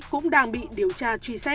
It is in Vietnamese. cũng đang bị điều tra